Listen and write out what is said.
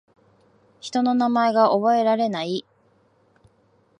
人の名前が覚えられない